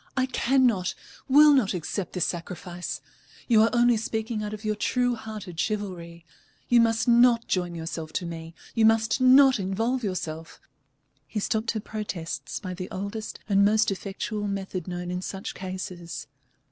"I cannot, will not accept this sacrifice. You are only speaking out of your true hearted chivalry. You must not join yourself to me, you must not involve yourself " He stopped her protests by the oldest and most effectual method known in such cases.